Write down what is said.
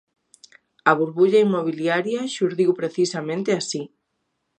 A burbulla inmobiliaria xurdiu precisamente así.